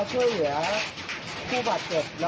ก็แค่มีเรื่องเดียวให้มันพอแค่นี้เถอะ